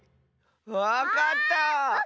わかった！